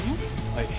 はい。